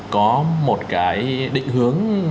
có một cái định hướng